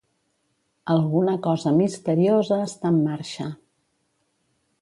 Alguna cosa misteriosa està en marxa.